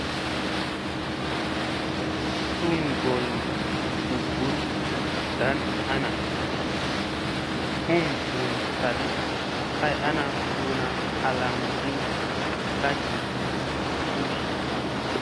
Sungolli su bunɗa dan ana ka hum vun sadi kay ana, suuna halaŋgi ka jivi tuudi.